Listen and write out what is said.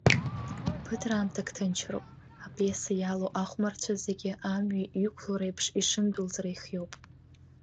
Ԥыҭраамҭак тынчроуп, апиеса иалоу ахәмарцәа зегьы амҩа иқәуло реиԥш ишындәылҵра ихиоуп.